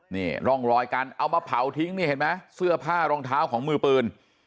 นี่ร่องรอยการเอามาเผาทิ้งนี่เห็นไหมเสื้อผ้ารองเท้าของมือปืน